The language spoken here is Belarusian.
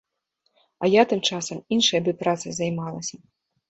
А я тым часам іншай бы працай займалася.